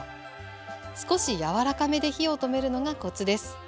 少し柔らかめで火を止めるのがコツです。